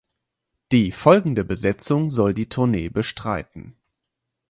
Die folgende Besetzung soll die Tournee bestreiten.